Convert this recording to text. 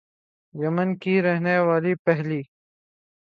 یمن کی رہنے والی پہلی